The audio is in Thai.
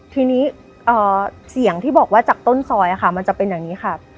ทีนี้เสียงที่บอกว่าจากต้นซอยมันจะเป็นอย่างนี้ค่ะ